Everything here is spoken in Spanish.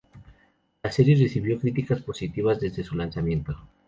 La serie recibió críticas positivas desde su lanzamiento.